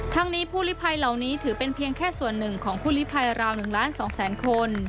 ทั้งนี้ผู้ลิภัยเหล่านี้ถือเป็นเพียงแค่ส่วนหนึ่งของผู้ลิภัยราว๑ล้าน๒แสนคน